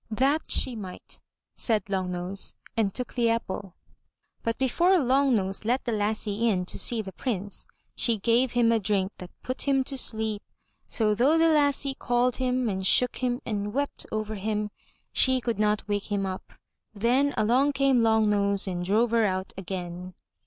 That she might, said Long nose and took the apple. But before Long nose let the lassie in to see the Prince, she gave him a drink that put him to sleep, so though the lassie called 405 MY BOOK HOUSE him and shook him and wept over him, she could not wake him up. Then along came Long nose and drove her out again.